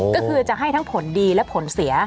ก็คือจะให้ทั้งผลดีและผลเสีย